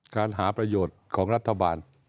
การหาประโยชน์ของรัฐบาล